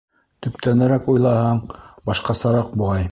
Төптәнерәк уйлаһаң, башҡасараҡ буғай.